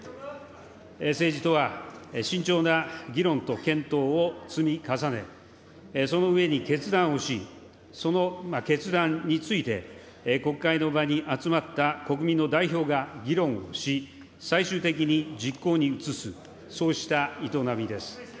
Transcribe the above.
政治とは、慎重な議論と検討を積み重ね、その上に決断をし、その決断について、国会の場に集まった国民の代表が議論をし、最終的に実行に移す、そうした営みです。